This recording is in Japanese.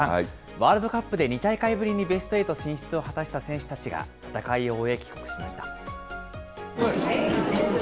ワールドカップで２大会ぶりにベストエイト進出を果たした選手たちが戦いを終え帰国しました。